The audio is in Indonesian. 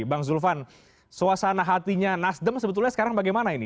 bang zulfan suasana hatinya nasdem sebetulnya sekarang bagaimana ini